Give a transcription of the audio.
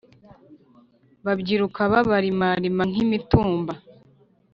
babyiruka Babarimarima nk’imitumba !